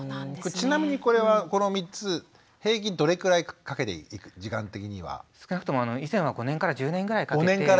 ちなみにこれはこの３つ平均どれくらいかけていく時間的には？少なくとも以前は５年から１０年ぐらいかけて。